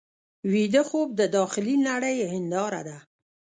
ویده خوب د داخلي نړۍ هنداره ده